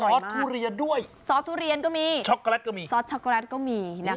เขามีซอสทุเรียนด้วยซอสทุเรียนก็มีซอสช็อกโกแลตก็มี